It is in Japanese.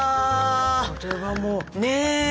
これはもう。ね。